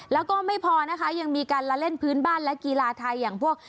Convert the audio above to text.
แล้วก็ไม่พอนะคะยังมีการละเล่นพื้นบ้านและกีฬาไทยอย่างพวก